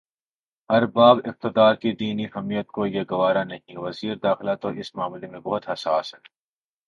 ارباب اقتدارکی دینی حمیت کو یہ گوارا نہیں وزیر داخلہ تو اس معاملے میں بہت حساس ہیں۔